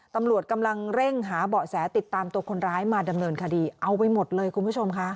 ตำรวจกำลังเร่งหาเบาะแสติดตามตัวคนร้ายมาดำเนินคดีเอาไปหมดเลยคุณผู้ชมค่ะ